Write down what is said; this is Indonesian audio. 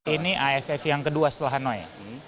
ini aff yang kedua setelah hanoi